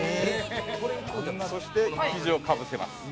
そして生地をかぶせます。